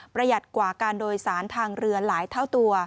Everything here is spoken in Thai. หัดกว่าการโดยสารทางเรือหลายเท่าตัว